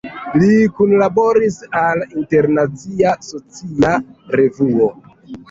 Li kunlaboris al "Internacia Socia Revuo.